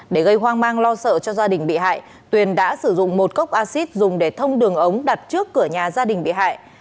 để gây hoang mang lo sợ cho gia đình bị hại tuyền đã sử dụng một cốc acid dùng để thông đường ống đặt trước cửa nhà gia đình bị hại